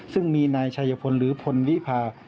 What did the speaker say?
ซึ่งมีนายชัยพลหรือพลวิพา